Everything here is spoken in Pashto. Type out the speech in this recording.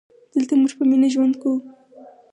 دلته مونږ په مینه ژوند کوو